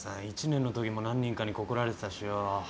１年のときも何人かに告られてたしよ